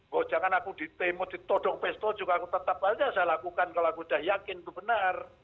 kok jangan aku ditemut ditodong pestol juga aku tetap aja saya lakukan kalau aku udah yakin itu benar